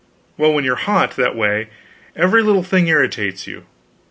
Well, when you are hot, that way, every little thing irritates you.